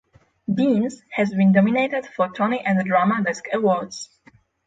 Deans has been nominated for Tony and Drama Desk Awards.